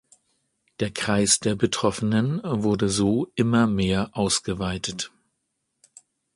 Der Kreis der Betroffenen wurde so immer mehr ausgeweitet.